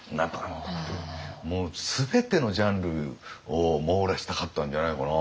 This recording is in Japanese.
もう全てのジャンルを網羅したかったんじゃないのかな。